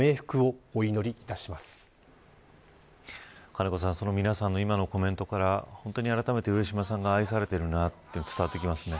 金子さん、皆さんの今のコメントから本当にあらためて上島さんが愛されているんだなというのが伝わってきますね。